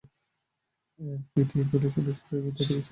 City বোর্ডের সদস্যদের মধ্য থেকে সহকারী মেয়র নির্বাচিত হন।